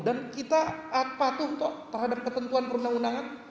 dan kita patuh kok terhadap ketentuan perundang undangan